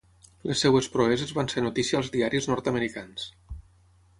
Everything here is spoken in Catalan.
Les seves proeses van ser notícia als diaris nord-americans.